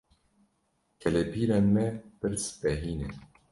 Kalepîrên me pir spehî ne.